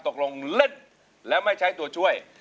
ตกลงเล่นแล้วไม่ใช้ตัวช่วย